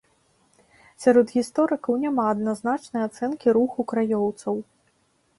Сярод гісторыкаў няма адназначнай ацэнкі руху краёўцаў.